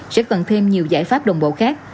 sẽ cần thêm nhiều giải pháp đồng bộ khác